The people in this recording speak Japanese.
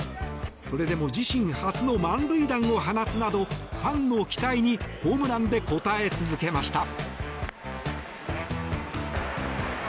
それでも自身初の満塁弾を放つなどファンの期待にホームランで応え続けました。